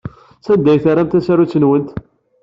Sanda ay terramt tasarut-nwent?